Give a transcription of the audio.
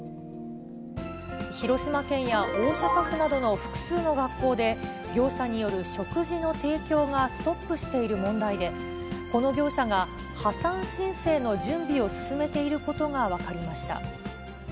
広島県や大阪府などの複数の学校で、業者による食事の提供がストップしている問題で、この業者が、破産申請の準備を進めていることが分かりました。